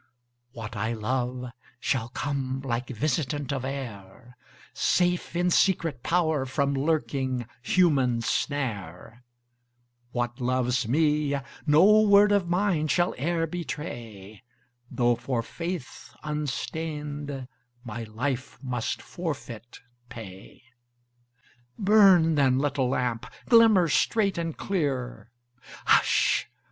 What I love shall come like visitant of air, Safe in secret power from lurking human snare; What loves me, no word of mine shall e'er betray, Though for faith unstained my life must forfeit pay Burn, then, little lamp; glimmer straight and clear Hush!